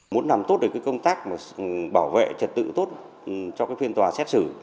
muốn làm tốt được công tác bảo vệ trật tự tốt cho phiên tòa xét xử